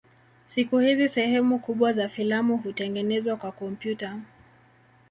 Siku hizi sehemu kubwa za filamu hutengenezwa kwa kompyuta.